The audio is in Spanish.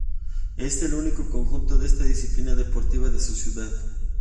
Es el único conjunto de esta disciplina deportiva de su ciudad.